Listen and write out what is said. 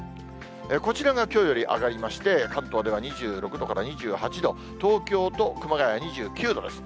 こちらがきょうより上がりまして、関東では２６度から２８度、東京と熊谷は２９度です。